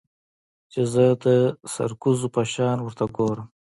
چې زه د سرکوزو په شان ورته گورم.